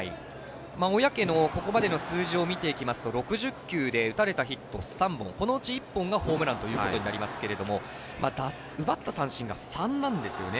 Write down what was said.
小宅のここまでの数字を見ていきますと６０球で打たれたヒット３本このうち１本がホームランということになりますが奪った三振が３なんですよね。